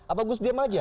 apakah saya sedia saja